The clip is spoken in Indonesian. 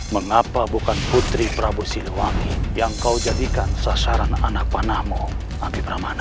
mengapa bukan putri prabu siliwaki yang kau jadikan sasaran anak panahmu ami pramana